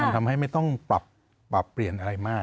ทำให้ไม่ต้องปรับเปลี่ยนอะไรมาก